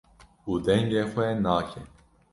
û dengê xwe nake.